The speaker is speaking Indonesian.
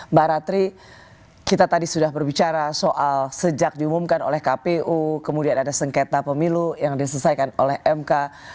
mbak ratri kita tadi sudah berbicara soal sejak diumumkan oleh kpu kemudian ada sengketa pemilu yang diselesaikan oleh mk